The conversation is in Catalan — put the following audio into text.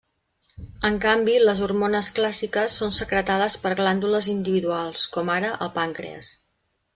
En canvi, les hormones clàssiques són secretades per glàndules individuals, com ara el pàncrees.